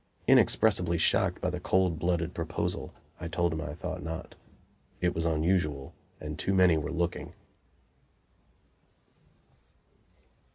Inexpressibly shocked by the cold blooded proposal, I told him I thought not; it was unusual, and too many were looking.